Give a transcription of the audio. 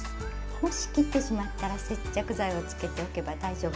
もし切ってしまったら接着剤をつけておけば大丈夫です。